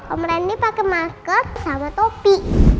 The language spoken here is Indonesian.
om randy pakai masker sama topi